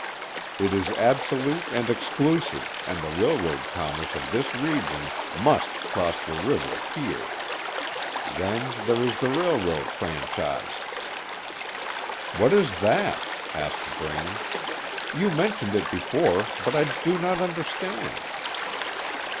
It is absolute and exclusive, and the railroad commerce of this region must cross the river here. Then there is the railroad franchise." "What is that?" asked Braine. "You mentioned it before, but I do not understand."